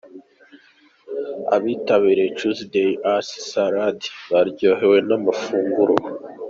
Abitabiriye Tuesday Art Salad baryohewe n'amafunguro.